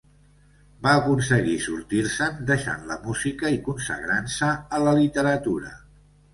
Va aconseguir sortir-se'n deixant la música i consagrant-se a la literatura.